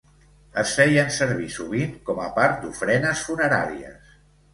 Es feien servir sovint com a part d'ofrenes funeràries.